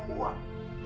gue mau buang